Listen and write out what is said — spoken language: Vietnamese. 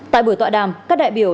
tại buổi tọa đàm các đại biểu